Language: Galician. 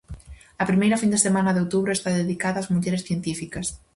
A primeira fin de semana de outubro está dedicada ás mulleres científicas.